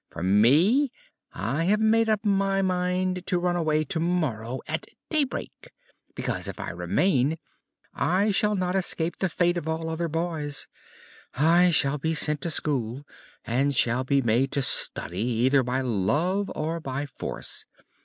For me, I have made up my mind to run away tomorrow at daybreak, because if I remain I shall not escape the fate of all other boys; I shall be sent to school and shall be made to study either by love or by force.